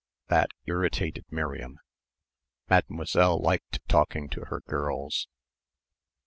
That irritated Miriam. Mademoiselle liked talking to her girls.